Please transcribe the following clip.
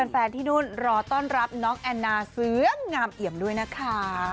แฟนที่นู่นรอต้อนรับน้องแอนนาเสืองามเอี่ยมด้วยนะคะ